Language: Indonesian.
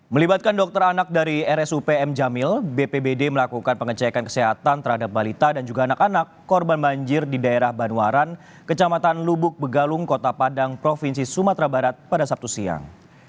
melibatkan dokter anak dari rsup m jamil bpbd melakukan pengecekan kesehatan terhadap balita dan juga anak anak korban banjir di daerah banuaran kecamatan lubuk begalung kota padang provinsi sumatera barat pada sabtu siang